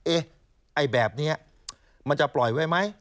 ไอ้แบบนี้มันจะปล่อยไว้ไหม